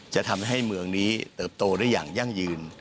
จะทำให้เมืองนี้เติบโตได้อย่างยั่งยืน